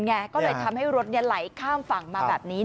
ก็เลยทำให้รถไหลข้ามฝั่งมาแบบนี้